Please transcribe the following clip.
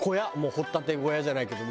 掘っ立て小屋じゃないけど。